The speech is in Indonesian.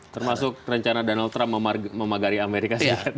termasuk rencana donald trump memagari amerika serikat